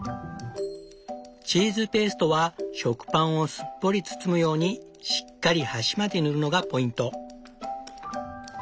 チーズペーストは食パンをすっぽり包むようにしっかり端まで塗るのがポイント。